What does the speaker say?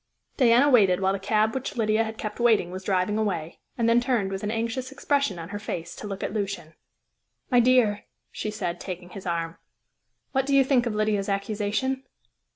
Diana waited until the cab which Lydia had kept waiting was driving away, and then turned with an anxious expression on her face to look at Lucian. "My dear," she said, taking his arm, "what do you think of Lydia's accusation?"